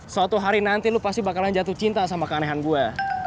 suatu hari nanti lu pasti bakalan jatuh cinta sama keanehan gue